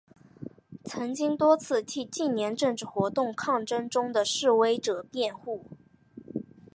曾经多次替近年政治活动抗争中的示威者辩护。